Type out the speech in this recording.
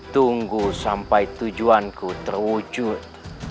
tunggu sampai tujuanku terwujud